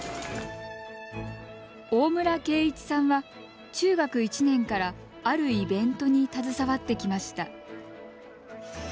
大村恵一さんは中学１年からあるイベントに携わってきました。